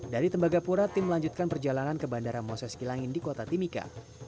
dari tembagapura tim melanjutkan perjalanan ke bandara moses kilangin di kota timika